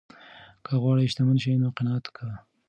که غواړې شتمن شې نو قناعت کوه.